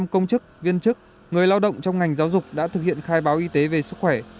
một trăm linh công chức viên chức người lao động trong ngành giáo dục đã thực hiện khai báo y tế về sức khỏe